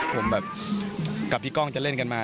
ผมแบบกับพี่ก้องจะเล่นกันมา